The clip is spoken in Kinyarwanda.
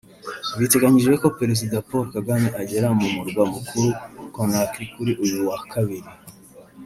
Biteganyijwe ko Perezida Paul Kagame agera mu murwa mukuru Conakry kuri uyu wa Kabiri